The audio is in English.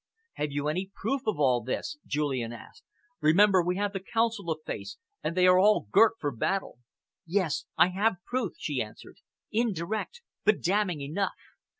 "Have you any proof of all this?" Julian asked. "Remember we have the Council to face, and they are all girt for battle." "Yes, I have proof," she answered, "indirect but damning enough.